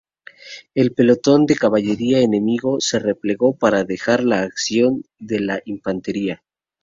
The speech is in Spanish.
El pelotón de caballería enemigo se replegó para dejar la acción de la infantería.